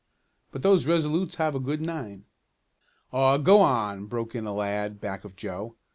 But those Resolutes have a good nine." "Aw, go on!" broke in a lad back of Joe.